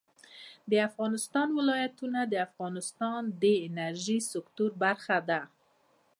د افغانستان ولايتونه د افغانستان د انرژۍ سکتور برخه ده.